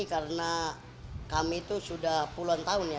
karena kami itu sudah puluhan tahun ya